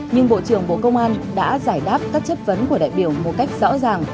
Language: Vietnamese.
nhưng bộ trưởng bộ công an đã giải đáp các chất vấn của đại biểu một cách rõ ràng